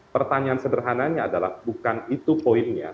pertanyaan sederhananya adalah bukan itu poinnya